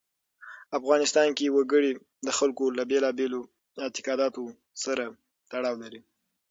افغانستان کې وګړي د خلکو له بېلابېلو اعتقاداتو سره تړاو لري.